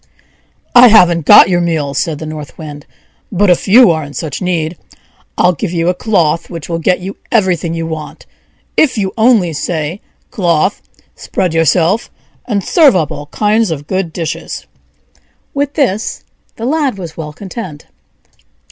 "I haven't got your meal," said the North Wind; "but if you are in such need, I'll give you a cloth which will get you everything you want, if you only say, 'Cloth, spread yourself, and serve up all kinds of good dishes!'" With this the Lad was well content.